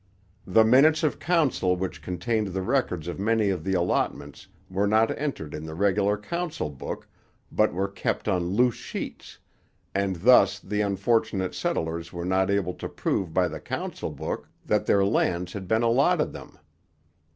The minutes of council which contained the records of many of the allotments were not entered in the regular Council Book, but were kept on loose sheets; and thus the unfortunate settlers were not able to prove by the Council Book that their lands had been allotted them.